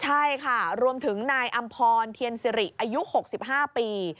ใช่ค่ะรวมถึงนายอำพรเทียนสิริอายุ๖๕ปี